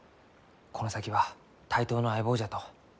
この先は対等の相棒じゃと。